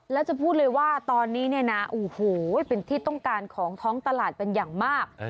แล้วจะพูดเลยว่าตอนนี้เนี่ยนะโอ้โหเป็นที่ต้องการของท้องตลาดเป็นอย่างมาก